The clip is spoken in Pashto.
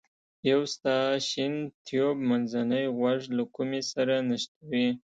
یو ستاشین تیوب منځنی غوږ له کومې سره نښلوي.